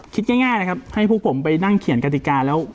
คิดง่ายนะครับให้พวกผมไปนั่งเขียนกฎิกาแล้ว